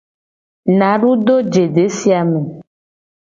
Nadu do je desi a me.